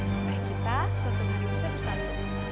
supaya kita suatu hari bisa bersatu